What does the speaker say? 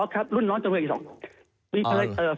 อ๋อครับรุ่นน้องจำเลยอีก๒คน